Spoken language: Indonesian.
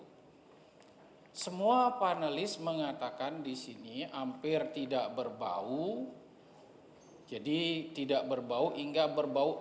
hai semua panelis mengatakan disini hampir tidak berbau jadi tidak berbau hingga berbau